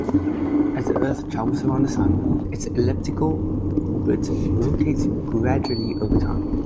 As the Earth travels around the Sun, its elliptical orbit rotates gradually over time.